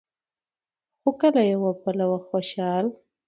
خو که له يوه پلوه خوشال